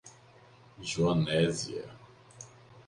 Joanésia